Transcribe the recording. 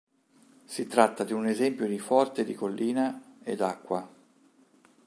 Si tratta di un esempio di forte di collina e d'acqua.